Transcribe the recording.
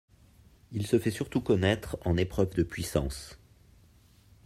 Il se fait surtout connaître en épreuves de puissance.